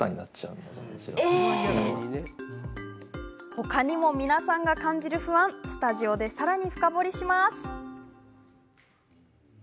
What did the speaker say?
他にも皆さんが感じる不安スタジオでさらに深掘りします。